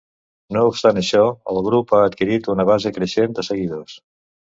No obstant això, el grup ha adquirit una base creixent de seguidors.